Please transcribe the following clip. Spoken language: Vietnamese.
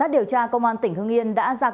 để tụi con giúp bác